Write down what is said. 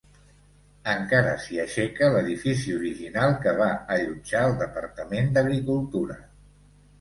Encara s'hi aixeca l'edifici original que va allotjar el departament d'agricultura.